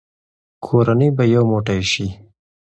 کورنۍ به یو موټی شي.